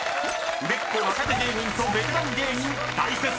［売れっ子若手芸人とベテラン芸人大接戦です］